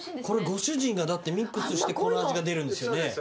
これご主人がミックスしてこの味が出るんですよね？